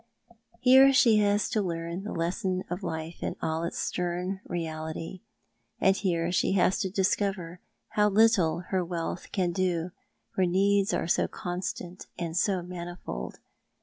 Here she has to learn the lesson of life in all its stern reality ; and here she has to discover how little her wealth can do where needs are so constant and so manifold.